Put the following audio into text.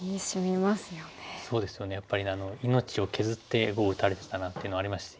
やっぱり命を削って碁を打たれてたなっていうのありますし。